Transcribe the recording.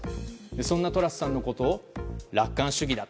そんなトラスさんのことを楽観主義だ。